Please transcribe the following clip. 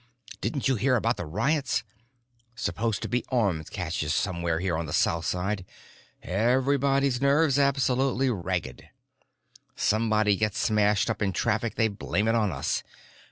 Didn't you hear about the riots? Supposed to be arms caches somewhere here on the south side. Everybody's nerves absolutely ragged. Somebody gets smashed up in traffic, they blame it on us.